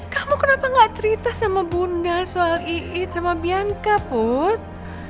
kamu kenapa gak cerita sama bunda soal iit sama bianka put